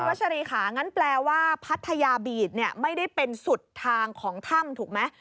ชัชรีค่ะงั้นแปลว่าพัทยาบีดเนี่ยไม่ได้เป็นสุดทางของถ้ำถูกไหม